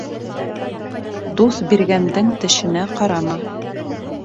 Дуҫ биргәндең тешенә ҡарама.